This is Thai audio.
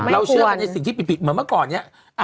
เชื่อกันในสิ่งที่ผิดเหมือนเมื่อก่อนเนี่ย